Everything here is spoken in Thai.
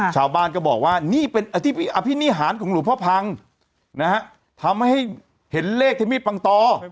ชาวบ้านก็บอกว่านี่เป็นอภินิหารของหลวงพ่อพังนะฮะทำให้เห็นเลขที่มีดปังตอ